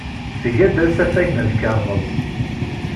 Tga-d asafag n lkaɣeḍ.